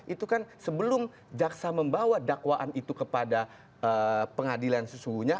itu kan sebelum jaksa membawa dakwaan itu kepada pengadilan sesungguhnya